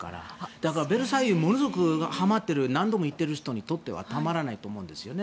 だから、ベルサイユにものすごくはまっている何度も行っている人にとってはたまらないと思うんですよね。